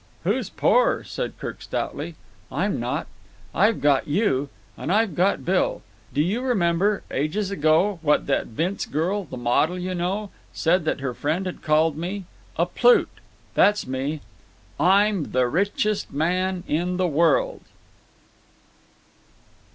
"Who's poor?" said Kirk stoutly. "I'm not. I've got you and I've got Bill. Do you remember—ages ago—what that Vince girl, the model, you know, said that her friend had called me? A plute. That's me. I'm the richest man in the world."